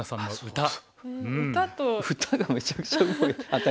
歌がめちゃくちゃうまい。